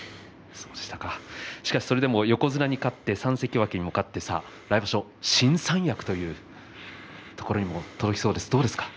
しかし、それでも横綱に勝って３関脇にも勝って来場所新三役というところにも届きそうですがどうですか。